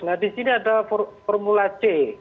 nah disini ada formula c